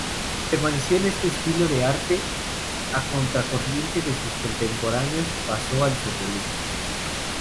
Permaneció en este estilo de arte, a contracorriente de sus contemporáneos, pasó al surrealismo.